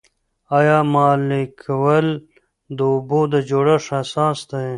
آیا مالیکول د اوبو د جوړښت اساس دی؟